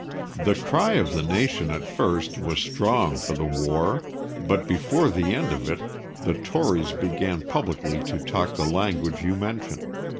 William. The cry of the nation at first was strong for the war, but before the end of it the Tories began publicly to talk the language you mention.